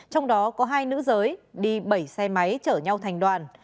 trong đó có hai nữ giới đi bảy xe máy chở nhau thành đoàn